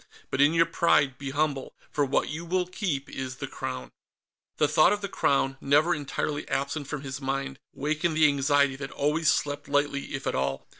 But in your pride, be humble, for what you will keep is the Crown." The thought of the Crown, never entirely absent from his mind, wakened the anxiety that always slept lightly if at all.